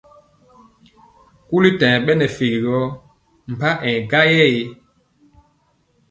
Kuli ta nyɛ ɓɛ nɛ fegi gɔ pa a yɛ gaŋ ee.